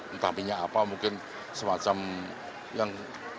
entah minyak apa mungkin semacam yang